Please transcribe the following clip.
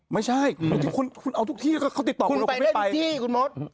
ไม่ใช่คุณเอาทุกที่แล้วเขาติดต่อคุณแล้วคุณไม่ไปคุณไปได้ที่ที่คุณมศ